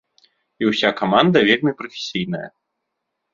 І ўся каманда вельмі прафесійная.